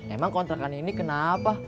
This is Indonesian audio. emang kontrakan ini kenapa